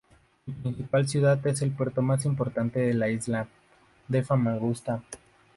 Su principal ciudad es el puerto más importante de la isla, de Famagusta.